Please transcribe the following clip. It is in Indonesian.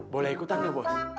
boleh ikutan gak bos